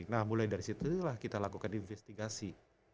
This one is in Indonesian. nah mulai dari situlah kita lakukan investigasi